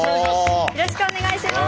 よろしくお願いします。